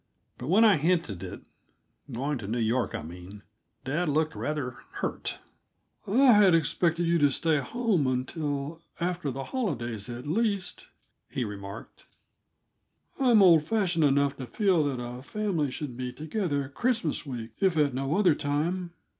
But when I hinted it going to New York, I mean dad looked rather hurt. "I had expected you'd stay at home until after the holidays, at least," he remarked. "I'm old fashioned enough to feel that a family should be together Christmas week, if at no other time.